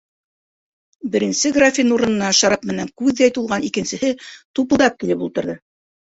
Беренсе графин урынына шарап менән күҙҙәй тулған икенсеһе тупылдап килеп ултырҙы.